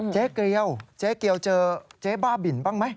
เกลียวเจ๊เกียวเจอเจ๊บ้าบินบ้างไหม